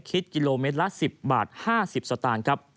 คิดกิโลเมตรละ๑๐บาท๕๐สตางค์ครับ